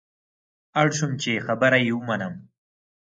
اړ شوم چې خبره یې ومنم.